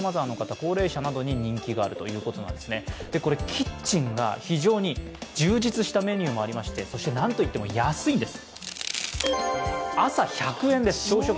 キッチンが非常に充実したメニューもありましてそしてなんといっても安いんです。